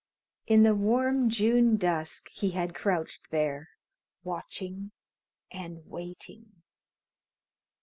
In the warm June dusk he had crouched there, watching and waiting.